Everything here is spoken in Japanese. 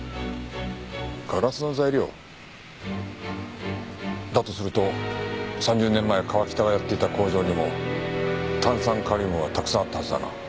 ガラスの材料？だとすると３０年前川喜多がやっていた工場にも炭酸カリウムはたくさんあったはずだな。